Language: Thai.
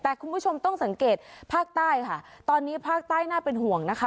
แต่คุณผู้ชมต้องสังเกตภาคใต้ค่ะตอนนี้ภาคใต้น่าเป็นห่วงนะคะ